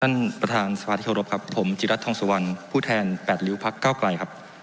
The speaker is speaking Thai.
ท่านประธานสวัสดีขอรับครับผมจิตรัฐทองสวรรค์ผู้แทน๘ลิ้วพัก๙ไกลครับ